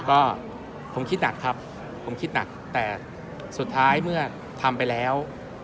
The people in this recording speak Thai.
ก็ผมคิดหนักครับผมคิดหนักแต่สุดท้ายเมื่อทำไปแล้ว